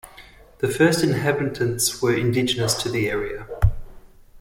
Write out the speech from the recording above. The first inhabitants were indigenous to the area.